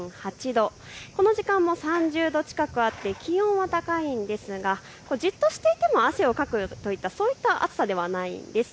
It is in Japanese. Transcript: この時間も３０度近くあって気温は高いんですがじっとしていても汗をかくといったそういった暑さではないんです。